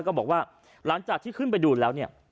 ก็บอกว่าหลังจากที่ขึ้นไปดูแล้วเนี่ย